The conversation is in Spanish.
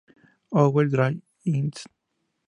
OverDrive, Inc.